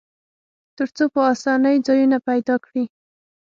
تر څو په آسانۍ ځایونه پیدا کړي.